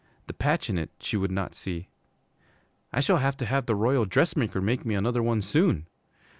The patch in it she would not see. 'I shall have to have the Royal Dressmaker make me another one soon.